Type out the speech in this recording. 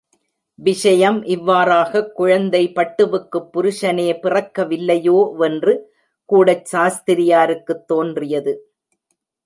விஷயம் இவ்வாறாகக் குழந்தை பட்டுவுக்குப் புருஷனே பிறக்கவில்லையோவென்று கூடச் சாஸ்திரியாருக்குத் தோன்றியது.